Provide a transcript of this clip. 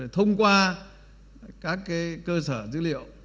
thông qua các cơ sở dữ liệu